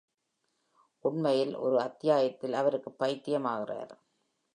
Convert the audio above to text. உண்மையில், ஒரு அத்தியாயத்தில் அவருக்கு பைத்தியம் ஆகிறார்.